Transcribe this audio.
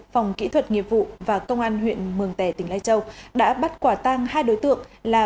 phòng kỹ thuật nghiệp vụ và công an huyện mường tẻ tỉnh lai châu đã bắt quả tang hai đối tượng là